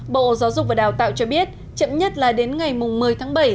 bộ giáo dục và đào tạo cho biết chậm nhất là đến ngày một mươi tháng bảy